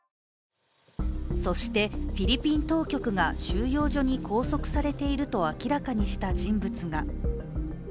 そして、フィリピン当局が収容所に拘束されていると明らかにした人物が。